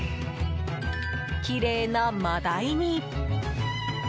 きれいなマダイに。